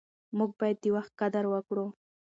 موږ باید د وخت قدر وکړو.